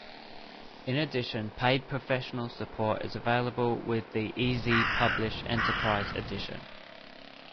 In addition, paid professional support is available with the eZ Publish Enterprise Edition.